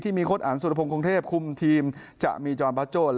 ที่มีคดอันสุรพงธ์คงเทพคุมทีมจะมีจรประโจทย์